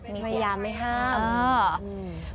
มีสุยามไม่ห้าม